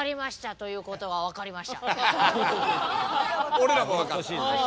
俺らも分かった。